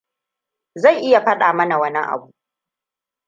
Zai iya faɗa mana wani abu.